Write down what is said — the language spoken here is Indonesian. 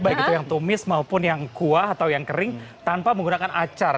baik itu yang tumis maupun yang kuah atau yang kering tanpa menggunakan acar